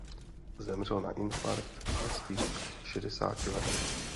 Zemřel na infarkt ve svých šedesáti letech.